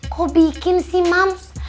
kok bikin sih mams